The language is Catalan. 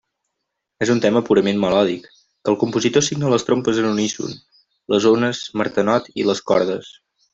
És un tema purament melòdic, que el compositor assigna a les trompes en uníson, les ones Martenot i les cordes.